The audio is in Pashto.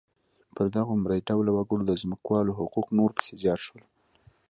پر دغو مري ډوله وګړو د ځمکوالو حقوق نور پسې زیات شول.